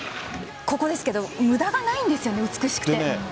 ここですけど無駄がないんですよね、美しくて。